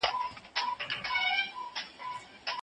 لامبو وهل د بدن ټولو برخو لپاره ګټور دی.